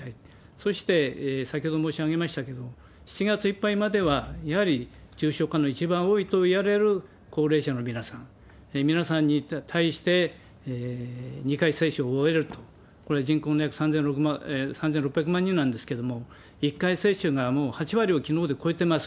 そして、先ほど申し上げましたけれども、７月いっぱいまでは、やはり重症化の一番多いといわれる高齢者の皆さん、皆さんに対して２回接種を終えると、これ、人口の約３６００万人なんですけれども、１回接種がもう８割をきのうまでで超えてます。